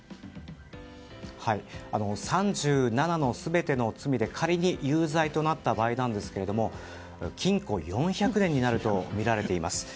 ３７の全ての罪で仮に有罪になった場合なんですが禁固４００年になるとみられています。